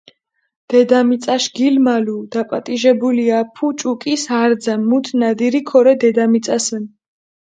დედამიწაშ გილმალუ დაპატიჟებული აფუ ჭუკის არძა, მუთ ნადირი ქორე დედამიწასჷნ.